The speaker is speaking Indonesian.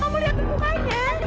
kamu lihat kebukanya